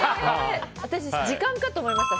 私、時間かと思いました。